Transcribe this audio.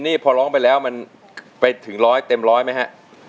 นี่พอร้องไปแล้วมันไปถึงร้อยเต็มร้อยไหมฮะ